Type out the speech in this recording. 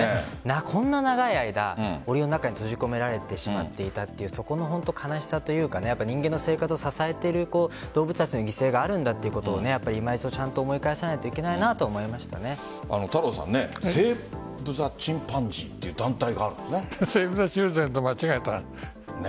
こんな長い間おりの中に閉じ込められてしまっていたというそこの悲しさというか人間の生活を支えている動物たちの犠牲があるんだということを今一度ちゃんと思い返さないとセーブ・ザ・チンパンジーってセーブ・ザ・チルドレンと間違えた。